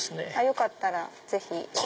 よかったらぜひ。